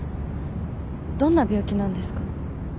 どんな病気なんですか？